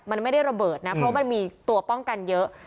มันไม่ได้ระเบิดนะเพราะมันมีตัวป้องกันเยอะ